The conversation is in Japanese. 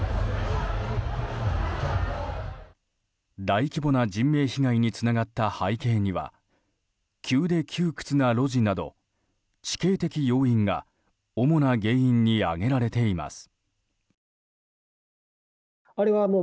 大規模な人命被害につながった背景には急で窮屈な路地など地形的要因が主な要因に挙げられています。